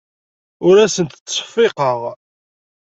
Ur asent-ttseffiqeɣ.